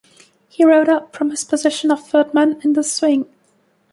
He rode up from his position of third man in the swing.